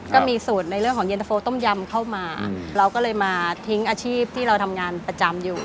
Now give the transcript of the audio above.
ก็มีสูตรในเรื่องของเย็นตะโฟต้มยำเข้ามาเราก็เลยมาทิ้งอาชีพที่เราทำงานประจำอยู่